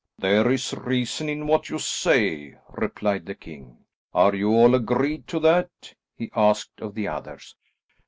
"There is reason in what you say," replied the king. "Are you all agreed to that?" he asked of the others.